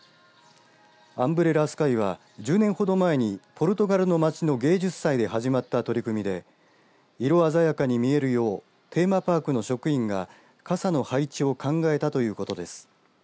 アンブレラスカイは１０年ほど前にポルトガルの街の芸術祭で始まった取り組みで色鮮やかに見えるようにパークの職員が傘の配置を考えたということです。